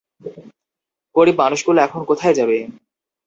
গরিব মানুষগুলো এখন কোথায় যাবে?